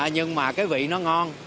nhưng mà cái vị nó ngon